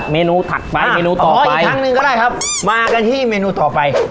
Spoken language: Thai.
เมนูถัดไปเมนูต่อไปทางหนึ่งก็ได้ครับมากันที่เมนูต่อไป